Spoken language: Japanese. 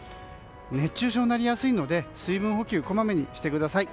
熱中症になりやすいので水分補給をこまめにしてください。